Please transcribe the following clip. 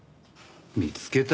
見つけた？